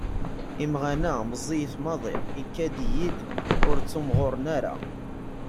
Imaɣan-a meẓẓiyit maḍi, ikad-yi-d ur ttimɣuren ara.